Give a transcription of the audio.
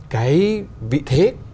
cái vị thế